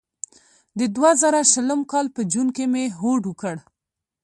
د دوه زره شلم کال په جون کې مې هوډ وکړ.